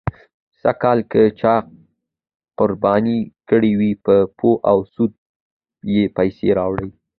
سږکال که چا قرباني کړې وي، په پور او سود یې پیسې راوړې.